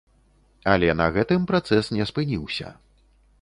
Але на гэтым працэс не спыніўся.